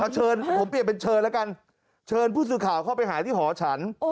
เชิญผมเปลี่ยนเป็นเชิญแล้วกันเชิญผู้สื่อข่าวเข้าไปหาที่หอฉัน